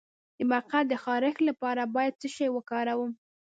د مقعد د خارښ لپاره باید څه شی وکاروم؟